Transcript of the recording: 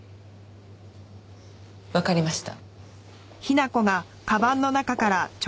わかりました。